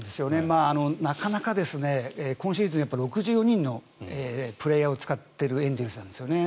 なかなか今シーズン６４人のプレーヤーを使っているエンゼルスなんですね。